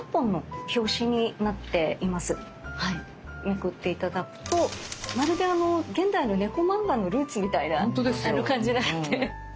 めくって頂くとまるで現代の猫漫画のルーツみたいな感じがあって。